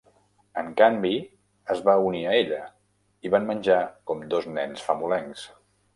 En canvi, es va unir a ella; i van menjar com dos nens famolencs.